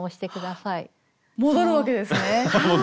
戻るわけですね。